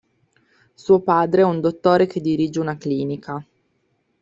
Suo padre è un dottore che dirige una clinica.